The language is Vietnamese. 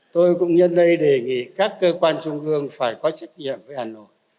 tôi cũng nhân lây đề nghị các cơ quan trung ương phải có trách nhiệm với hà nội